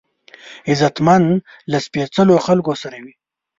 غیرتمند له سپېڅلو خلکو سره وي